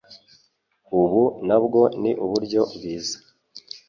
Ubu nabwo ni uburyo bwiza